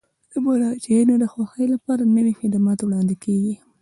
د مراجعینو د خوښۍ لپاره نوي خدمات وړاندې کیږي.